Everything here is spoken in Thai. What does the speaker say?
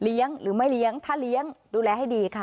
หรือไม่เลี้ยงถ้าเลี้ยงดูแลให้ดีค่ะ